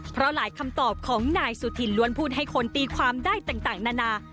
เพราะหลายคำตอบของนายสุธินล้วนพูดให้คนตีความได้ต่างนานา